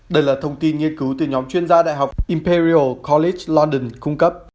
đây là thông tin nghiên cứu từ nhóm chuyên gia đại học imperial colit london cung cấp